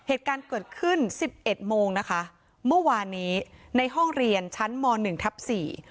เหตุการณ์เกิดขึ้นสิบเอ็ดโมงนะคะเมื่อวานนี้ในห้องเรียนชั้นมหนึ่งทับสี่